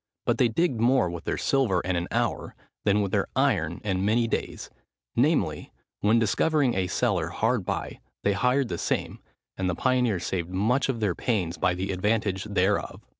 But they digged more with their silver in an hour, than with their iron in many daies; namely, when discovering a cellar hard by, they hired the same, and the pioneers saved much of their pains by the advantage thereof."